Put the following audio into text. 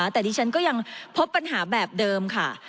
แต่ดิฉันก็ยังพบปัญหาแบบเดิมค่ะ